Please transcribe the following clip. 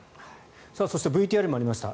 そしてＶＴＲにもありました